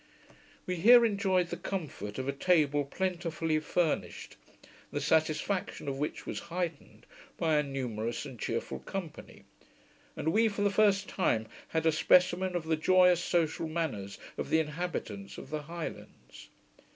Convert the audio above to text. We here enjoyed the comfort of a table plentifully furnished, the satisfaction of which was heightened by a numerous and cheerful company; and we for the first time had a specimen of the joyous social manners of the inhabitants of the Highlands.